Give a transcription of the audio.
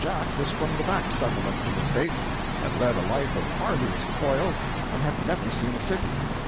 Jack was from the back settlements of the States, had led a life of arduous toil, and had never seen a city.